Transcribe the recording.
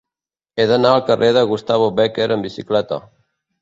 He d'anar al carrer de Gustavo Bécquer amb bicicleta.